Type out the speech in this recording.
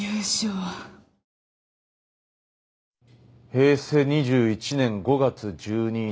平成２１年５月１２日